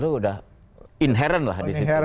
itu udah inherent lah